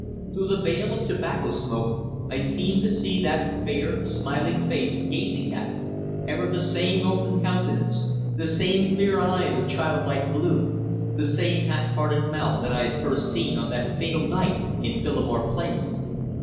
Through the veil of tobacco smoke I seemed to see that fair, smiling face gazing at me, ever the same open countenance, the same clear eyes of childlike blue, the same half parted mouth that I had first seen on that fatal night in Phillimore Place.